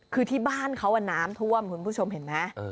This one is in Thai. คือในบ้านเขาวันน้ำถ้วมคุณผู้ชมเห็นมั้ย